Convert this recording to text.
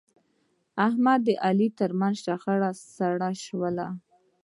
د احمد او علي ترمنځ شخړه سړه شوله.